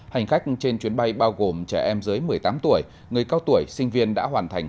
hành khách trên chuyến bay bao gồm trẻ em dưới một mươi tám tuổi người cao tuổi sinh viên đã hoàn thành